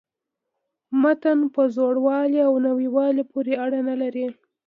متن په زوړوالي او نویوالي پوري اړه نه لري.